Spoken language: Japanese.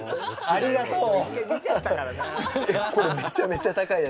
ありがとう。